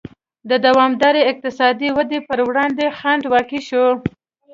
د دوامدارې اقتصادي ودې پر وړاندې خنډ واقع شوی.